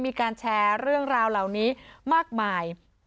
มีการแชร์เรื่องราวเหล่านี้มากมาย